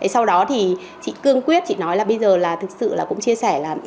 sau đó thì chị cương quyết chị nói là bây giờ là thực sự là cũng chia sẻ là